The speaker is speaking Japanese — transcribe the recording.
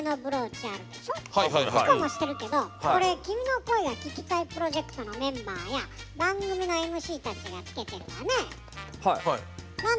チコもしてるけどこれ、「君の声が聴きたい」プロジェクトのメンバーや番組のＭＣたちが着けてるわね。